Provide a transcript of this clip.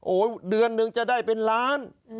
เดือนหนึ่งจะได้เป็นล้าน